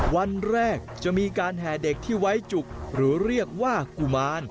วันแรกจะมีการแห่เด็กที่ไว้จุกหรือเรียกว่ากุมาร